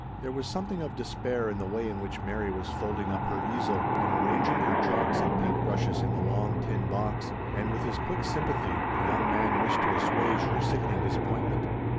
There was something of despair in the way in which Mary was folding up her easel, and arrang ing her chalks and paint brushes in the long tin box, and with his quick sympathy the young man wished to assuage her sickening disappointment.